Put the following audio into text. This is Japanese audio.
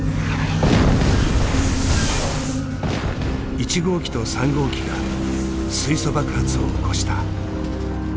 １号機と３号機が水素爆発を起こした。